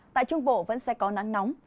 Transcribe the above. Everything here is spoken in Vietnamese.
tại trung bộ vẫn sẽ có nắng nóng